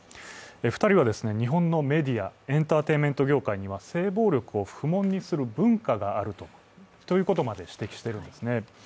２人は日本のメディア、エンターテインメント業界には性暴力を不問にする文化があるということまで指摘しているんですね。